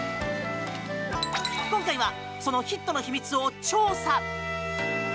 今回はそのヒットの秘密を調査！